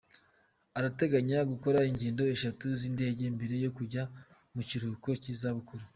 Arateganya gukora ingendo eshatu z’indege mbere yo kujya mu kiruhuko cy’izabukuru.